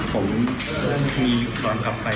ผมเริ่มมีการขับไป